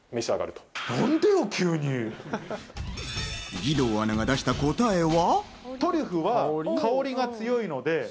義堂アナが出した答えは。